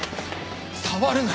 触るな！